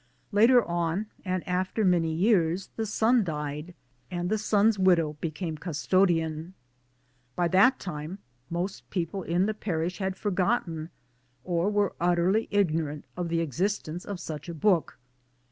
Later on and after many years, the son died, and the son's widow became custodian. By that time 'most people in the parish had forgotten, or were utterly ignorant of the existence of such a book.